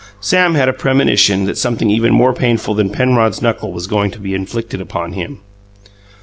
Sam had a premonition that something even more painful than Penrod's knuckle was going to be inflicted upon him.